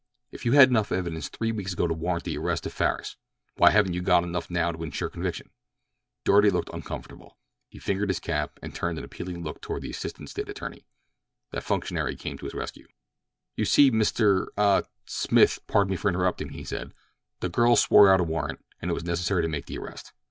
"If you had enough evidence three weeks ago to warrant the arrest of Farris, why haven't you got enough now to insure conviction?" Doarty looked uncomfortable. He fingered his cap, and turned an appealing look toward the assistant State attorney. That functionary came to his rescue. "You see, Mr.—a—Smith, pardon me for interrupting," he said, "the girl swore out a warrant, and it was necessary to make the arrest.